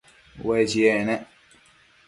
Ue chiec nec